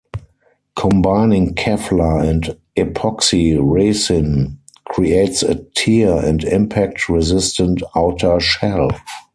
Combining kevlar and epoxy resin creates a tear and impact resistant outer shell.